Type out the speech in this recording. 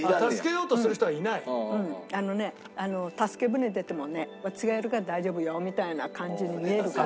うんあのね助け舟出てもね「私がやるから大丈夫よ」みたいな感じに見えるから。